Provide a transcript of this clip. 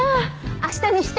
明日にして。